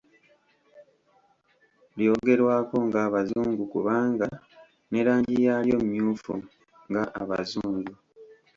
Lyogerwako ng'Abazungu kubanga ne langi yaalyo “mmyufu” nga Abazungu